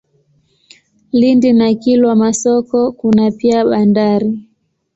Lindi na Kilwa Masoko kuna pia bandari.